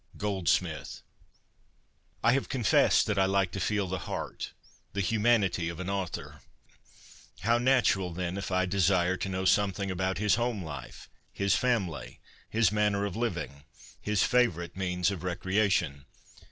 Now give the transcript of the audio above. — Goldsmith. I have confessed that I like to feel the heart, the humanity, of an author. How natural, then, if I desire to know something about his home life, his family, his manner of living, his favourite means of recreation.